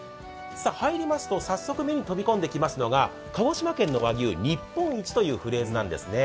入りますと早速、目に飛び込んできますのが鹿児島県の和牛日本一というフレーズなんですね。